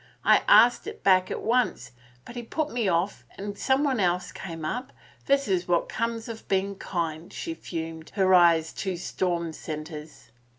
I asked it back at once, but he put me off and someone else came up ... this is what comes of being kind," she fumed, her eyes two storm centers.